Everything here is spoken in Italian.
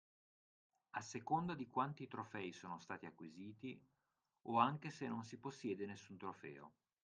A seconda di quanti trofei sono stati acquisiti, o anche se non si possiede nessun trofeo.